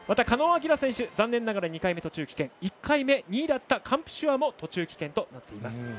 狩野亮選手残念ながら２回目途中棄権１回目２位だったカンプシュアーも途中棄権となっています。